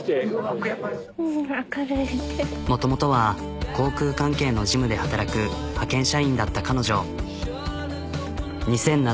もともとは航空関係の事務で働く派遣社員だった彼女。